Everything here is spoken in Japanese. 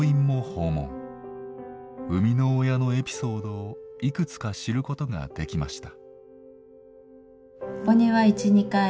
生みの親のエピソードをいくつか知ることができました。